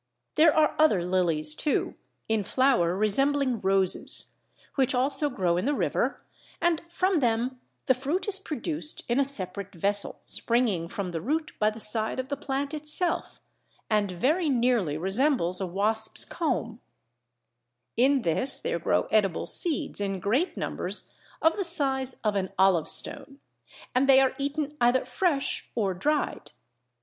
There are other lilies too, in flower resembling roses, which also grow in the river, and from them the fruit is produced in a separate vessel springing from the root by the side of the plant itself, and very nearly resembles a wasp's comb: in this there grow edible seeds in great numbers of the size of an olive stone, and they are eaten either fresh or dried.